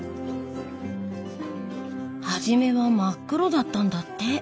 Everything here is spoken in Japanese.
初めは真っ黒だったんだって。